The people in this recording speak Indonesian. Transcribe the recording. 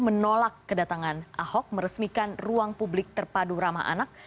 menolak kedatangan ahok meresmikan ruang publik terpadu ramah anak